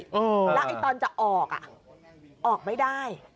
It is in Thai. แล้วตอนจะออกออกไม่ได้